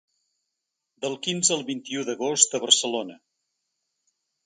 Del quinze al vint-i-u d’agost a Barcelona.